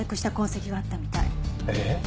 えっ？